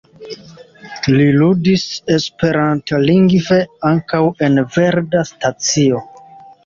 Li ludis esperantlingve ankaŭ en Verda Stacio.